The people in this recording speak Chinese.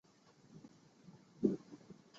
唐明宗